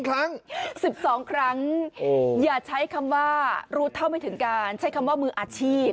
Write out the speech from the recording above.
ครั้ง๑๒ครั้งอย่าใช้คำว่ารู้เท่าไม่ถึงการใช้คำว่ามืออาชีพ